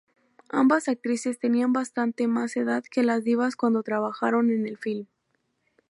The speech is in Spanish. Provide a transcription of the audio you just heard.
Ambas actrices tenían bastante más edad que las divas cuando trabajaron en el film.